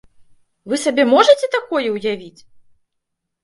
Вы сабе можаце такое ўявіць?!